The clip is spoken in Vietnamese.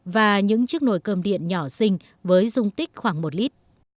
và những chiếc nồi cơm điện nhỏ sinh với dung tích khoảng một lít